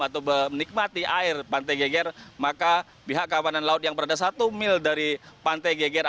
atau menikmati air pantai geger maka pihak keamanan laut yang berada satu mil dari pantai geger